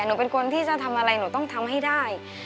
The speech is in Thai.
หนูเป็นคนที่จะทำอะไรหนูต้องทำให้ได้